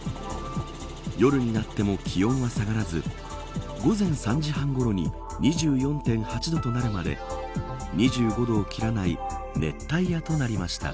夜になっても気温は下がらず午前３時半ごろに２４．８度となるまで２５度を切らない熱帯夜となりました。